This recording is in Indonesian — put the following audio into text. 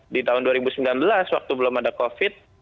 di tahun dua ribu sembilan belas waktu belum ada covid